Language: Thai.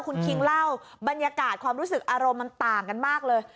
คุณคิงเล่าบรรยากาศความรู้สึกอารมณ์มันต่างกันมากเลย